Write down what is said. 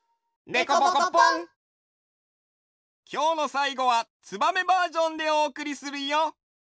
きょうのさいごは「ツバメ」バージョンでおおくりするよ！